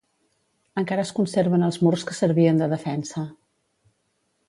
Encara es conserven els murs que servien de defensa.